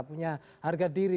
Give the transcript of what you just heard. punya harga diri